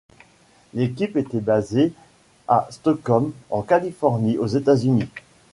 L'équipe était basée à Stockton en Californie aux États-Unis.